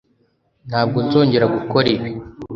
Ntabwo nzongera gukora ibi